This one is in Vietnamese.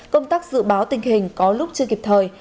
công tác dự báo tình hình có lúc chưa kịp thời